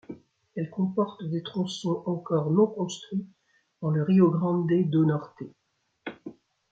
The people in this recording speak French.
Elle comporte des tronçons encore non construits dans le Rio Grande do Norte.